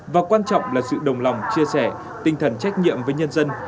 và quan trọng là sự đồng lòng chia sẻ tinh thần trách nhiệm với nhân dân